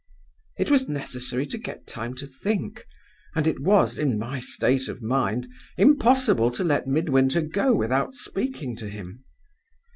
"It was necessary to get time to think, and it was (in my state of mind) impossible to let Midwinter go without speaking to him.